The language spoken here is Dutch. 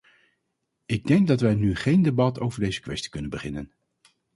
Ik denk dat wij nu geen debat over deze kwestie kunnen beginnen.